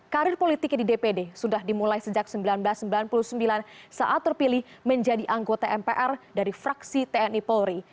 karir politiknya di dpd sudah dimulai sejak seribu sembilan ratus sembilan puluh sembilan saat terpilih menjadi anggota mpr dari fraksi tni polri